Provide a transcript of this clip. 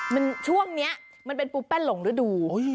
มันช่วงนี้มันเป็นปูแป้นหลงฤดู